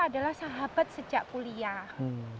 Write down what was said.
adalah sahabat sejak kuliah